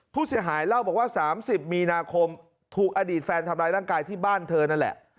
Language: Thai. ผู้เสียหายเล่าบอกว่า๓๐มีนาคมถูกอดีตแฟนทำร้ายร่างกายที่บ้านเธอนั่นแหละ